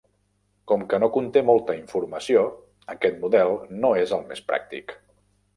Com que no conté molta informació, aquest model no és el més pràctic.